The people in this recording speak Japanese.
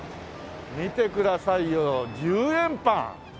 見てくださいよ１０円パン！